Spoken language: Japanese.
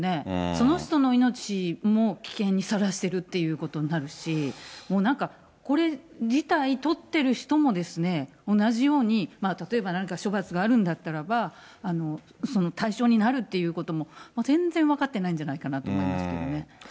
その人の命も危険にさらしてるっていうことになるし、もうなんか、これ自体撮ってる人も、同じように、例えば何か処罰があるんだったらば対象になるっていうことも、全然分かってないんじゃないかなと思いますけどね。